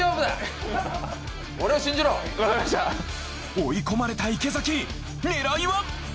追い込まれた池崎狙いは！？